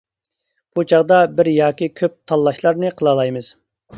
بۇ چاغدا بىر ياكى كۆپ تاللاشلارنى قىلالايمىز.